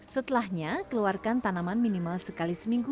setelahnya keluarkan tanaman minimal sekali seminggu